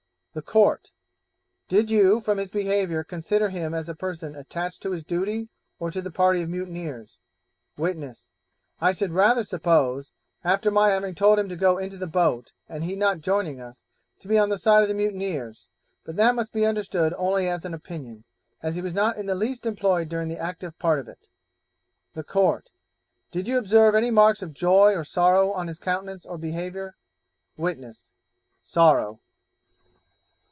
The Court 'Did you, from his behaviour, consider him as a person attached to his duty, or to the party of the mutineers?' Witness 'I should rather suppose, after my having told him to go into the boat, and he not joining us, to be on the side of the mutineers; but that must be understood only as an opinion, as he was not in the least employed during the active part of it.' The Court 'Did you observe any marks of joy or sorrow on his countenance or behaviour?' Witness 'Sorrow.'